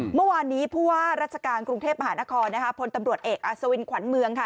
เมื่อวานนี้ผู้ว่าราชการกรุงเทพมหานครนะคะพลตำรวจเอกอัศวินขวัญเมืองค่ะ